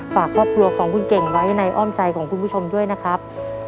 ฝากครอบครัวของคุณเก่งไว้ในอ้อมใจของคุณผู้ชมด้วยนะครับ